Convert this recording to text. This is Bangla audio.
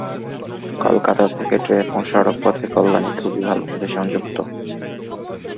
কলকাতা থেকে ট্রেন ও সড়ক পথে কল্যাণী খুবই ভাল ভাবে সংযুক্ত।